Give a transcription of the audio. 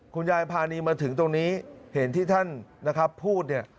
พานีมาถึงตรงนี้เห็นที่ท่านนะครับพูดเนี่ย